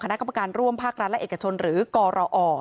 คณะกรรมการร่วมภาครัฐและเอกชนหรือกรอ